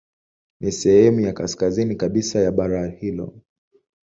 Ni sehemu ya kaskazini kabisa ya bara hilo.